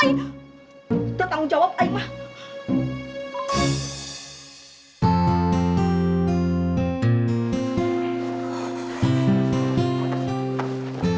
kita tanggung jawab ya iya mah